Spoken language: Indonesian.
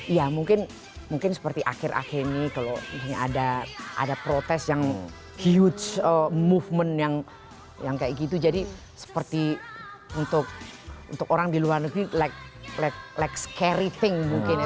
ya mungkin seperti akhir akhir ini kalau misalnya ada protes yang hute movement yang kayak gitu jadi seperti untuk orang di luar negeri leg scariting mungkin ya